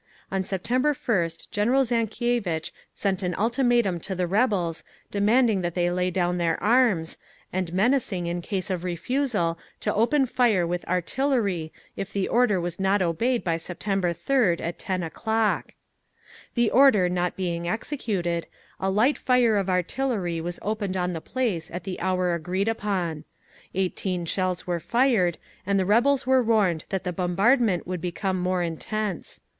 On September 1st General Zankievitch sent an ultimatum to the rebels demanding that they lay down their arms, and menacing in case of refusal to open fire with artillery if the order was not obeyed by September 3d at 10 o'clock. "The order not being executed, a light fire of artillery was opened on the place at the hour agreed upon. Eighteen shells were fired, and the rebels were warned that the bombardment would become more intense.